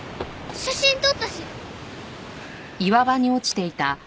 写真撮ったし。